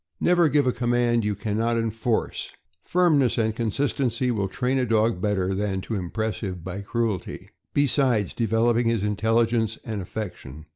Never give a command you can not enforce. Firmness and consistency will train a dog better than to impress him by cruelty, besides developing his intelligence and affec tion.